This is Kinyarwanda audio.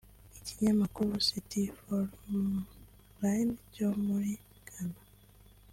Ikinyamakuru citifmonline cyo muri Ghana